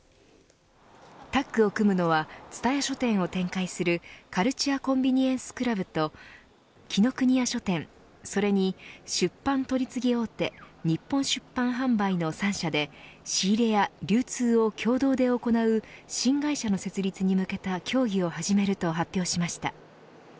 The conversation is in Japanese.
タッグを組むのはＴＳＵＴＡＹＡ書店を展開するカルチュア・コンビニエンス・クラブと紀伊國屋書店それに、出版取次大手日本出版販売の３社で仕入れや流通を共同で行う新会社の設立に向けた協議を始めると発表しました。